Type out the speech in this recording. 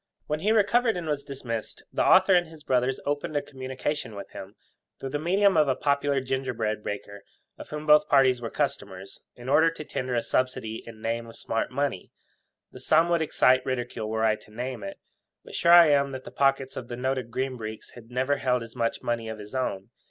When he recovered and was dismissed, the author and his brothers opened a communication with him, through the medium of a popular ginger bread baker, of whom both parties were customers, in order to tender a subsidy in name of smart money. The sum would excite ridicule were I to name it; but sure I am that the pockets of the noted Green Breeks never held as much money of his own.